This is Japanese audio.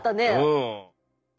うん！